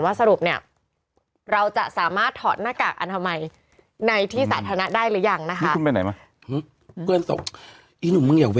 ว่าสรุปเราจะสามารถถอดหน้ากากอารมัย